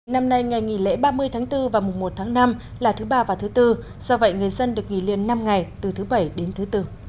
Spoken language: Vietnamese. năm nay ngày nghỉ lễ ba mươi tháng bốn và mùng một tháng năm là thứ ba và thứ tư do vậy người dân được nghỉ liền năm ngày từ thứ bảy đến thứ bốn